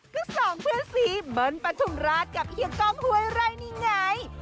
ก็สองเพื่อนสีเบิ้ลปฐุมราชกับเฮียกล้องห้วยไร่นี่ไง